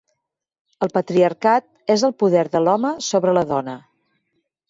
El patriarcat és el poder de l'home sobre la dona.